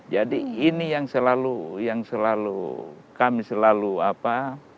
jadi ini yang selalu yang selalu kami selalu apa